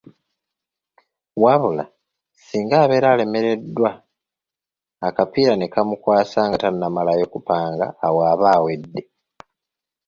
Wabula, singa abeera alemereddwa akapiira ne kamukwasa nga tannamalayo kupanga awo aba awedde.